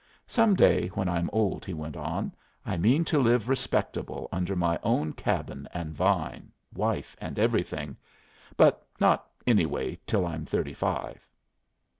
"Some day, when I'm old," he went on, "I mean to live respectable under my own cabin and vine. Wife and everything. But not, anyway, till I'm thirty five."